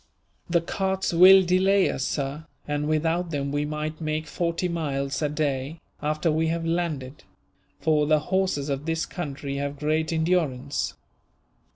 "The carts will delay us, sir, and without them we might make forty miles a day, after we have landed; for the horses of this country have great endurance."